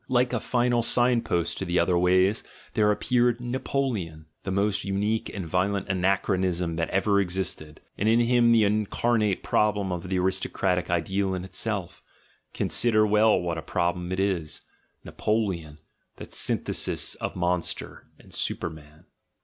Like a final sign post to other ways, there appeared Napoleon, the most unique and violent anach ronism that ever existed, and in him the incarnate problem of the aristocratic ideal in itself — consider well what a problem it is: — Napoleon, that synthesis of Monster and Superman.